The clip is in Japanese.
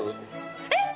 えっ！